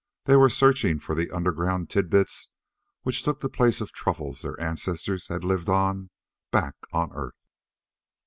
They were searching for the underground tidbits which took the place of truffles their ancestors had lived on back on Earth.